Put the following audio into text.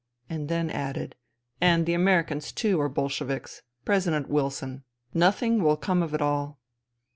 And then added, " And the Americans, too, are Bolsheviks. President Wilson. Nothing will come of it all."